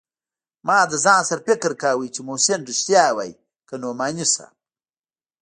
ما له ځان سره فکر کاوه چې محسن رښتيا وايي که نعماني صاحب.